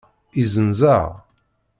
Izzenz-aɣ.